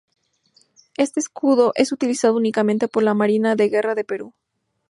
Este escudo es utilizado únicamente por la Marina de Guerra del Perú.